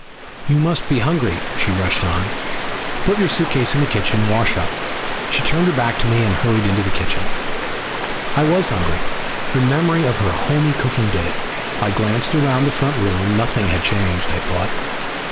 "You must be hungry," she rushed on. "Put your suitcase in the room and wash up." She turned her back to me and hurried into the kitchen. I was hungry. The memory of her homey cooking did it. I glanced around the front room. Nothing had changed, I thought.